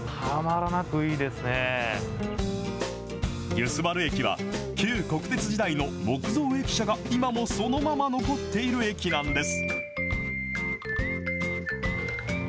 油須原駅は、旧国鉄時代の木造駅舎が、今もそのまま残っている駅なんです。